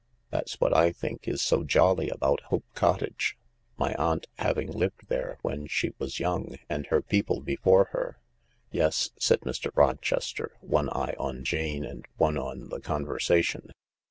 " That's what I think is so jolly about Hope Cottage — my aunt having lived there when she was young and her people before her." " Yes," said Mr. Rochester, one eye on Jane and one on the conversation.